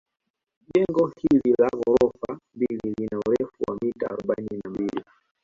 Jengo hili la ghorofa mbili lina urefu wa mita arobaini na mbili